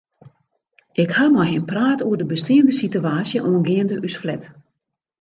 Ik ha mei him praat oer de besteande sitewaasje oangeande ús flat.